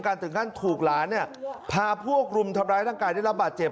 ถึงขั้นถูกหลานเนี่ยพาพวกรุมทำร้ายร่างกายได้รับบาดเจ็บ